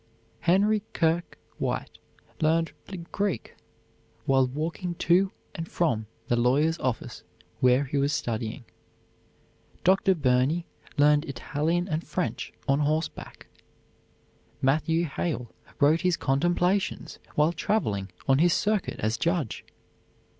Henry Kirke White learned Greek while walking to and from the lawyer's office where he was studying. Dr. Burney learned Italian and French on horseback. Matthew Hale wrote his "Contemplations" while traveling on his circuit as judge.